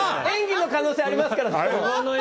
演技の可能性もありますから。